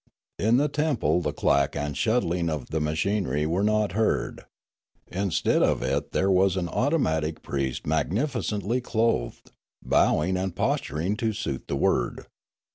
In the temple the clack and shuttling of the machinery were not heard ; instead of it there was an automatic priest magnificently clothed, bowing and posturing to suit the word.